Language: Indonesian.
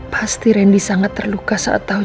pasti randy sangat terluka saat tahu